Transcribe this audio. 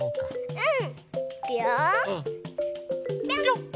うん？